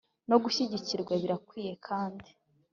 No gushyigikirwa birakwiye kandi